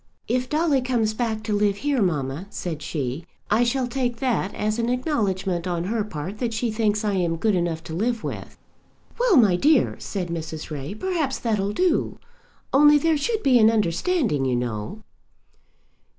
"If Dolly comes back to live here, mamma," said she, "I shall take that as an acknowledgment on her part that she thinks I am good enough to live with." "Well, my dear," said Mrs. Ray, "perhaps that'll do; only there should be an understanding, you know."